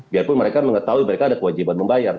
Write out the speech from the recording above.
biarpun mereka mengetahui mereka ada kewajiban membayar